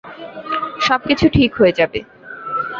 সবকিছু ঠিক হয়ে যাবে।